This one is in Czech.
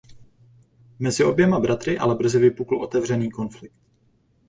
Mezi oběma bratry ale brzy vypukl otevřený konflikt.